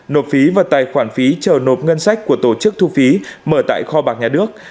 nộp phí vào tài khoản phí chờ nộp ngân sách của tổ chức thu phí mở tại kho bạc nhà nước